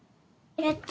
やった！